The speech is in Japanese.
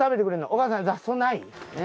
お母さん雑草ない？